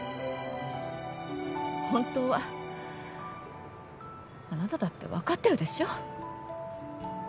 本当はあなただって分かってるでしょう？